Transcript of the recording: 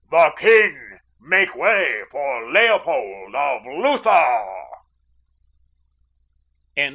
The king! Make way for Leopold of Lutha!" XII.